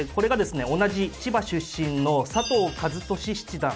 同じ千葉出身の佐藤和俊七段。